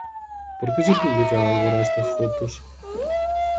Por que se publican agora estas fotos?